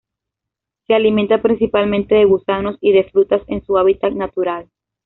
Se alimenta principalmente de gusanos y de frutas en su hábitat natural.